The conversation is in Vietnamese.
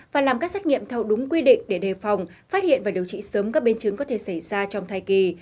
và làm các xét nghiệm theo đúng quy định để đề phòng phát hiện và điều trị sớm các biến chứng có thể xảy ra trong thai kỳ